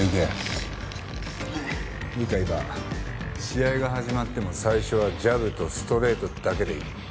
試合が始まっても最初はジャブとストレートだけでいい。